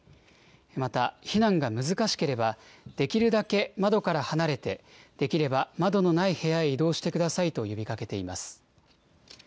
また、避難が難しければ、できるだけ窓から離れて、できれば窓のない部屋へ移動してくださいと呼びかけています。